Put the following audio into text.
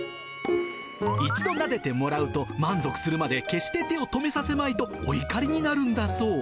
一度なでてもらうと満足するまで決して手を止めさせまいと、お怒りになるんだそう。